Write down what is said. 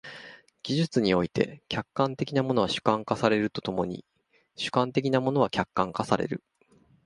技術において、客観的なものは主観化されると共に主観的なものは客観化される。